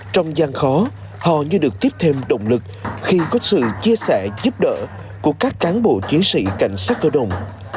trong gian khó họ như được tiếp thêm động lực khi có sự chia sẻ giúp đỡ của các cán bộ chiến sĩ cảnh sát cơ động